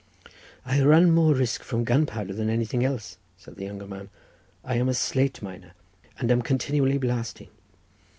"I run more risk from gunpowder than anything else," said the younger man. "I am a slate miner, and am continually blasting.